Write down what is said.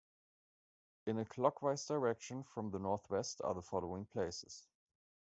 In a clockwise direction from the northwest are the following places.